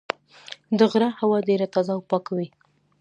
د غره هوا ډېره تازه او پاکه وي.